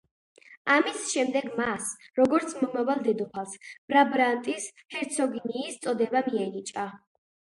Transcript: ამის შემდეგ მას, როგორც მომავალ დედოფალს ბრაბანტის ჰერცოგინიის წოდება მიენიჭა.